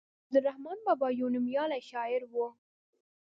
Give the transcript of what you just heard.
عبدالرحمان بابا يو نوميالی شاعر وو.